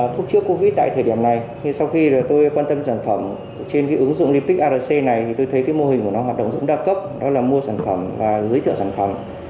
thuốc trước covid tại thời điểm này sau khi tôi quan tâm sản phẩm trên ứng dụng limbic arc này tôi thấy mô hình của nó hoạt động rất đa cấp đó là mua sản phẩm và giới thiệu sản phẩm